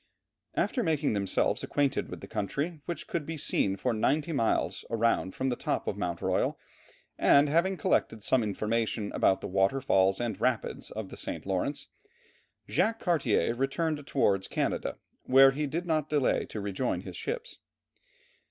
After making themselves acquainted with the country, which could be seen for ninety miles around from the top of Mount Royal, and having collected some information about the water falls and rapids of the St. Lawrence, Jacques Cartier returned towards Canada, where he did not delay to rejoin his ships.